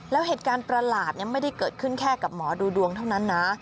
แล้วเหตุการณ์ประหลาดไม่ได้เกิดขึ้นแค่กับหมอดูดวงเท่านั้นนะ